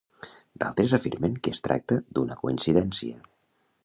D'altres afirmen que es tracta d'una coincidència.